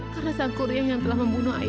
karena sang kurian yang telah membunuh ayahnya